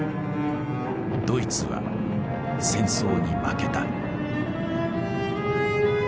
ドイツは戦争に負けた。